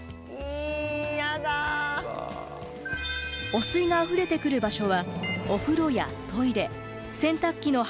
汚水があふれてくる場所はお風呂やトイレ洗濯機の排水口など。